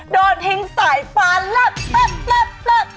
โดนทิ้งสายฟ้าลัดป๊ะป๊ะป๊ะ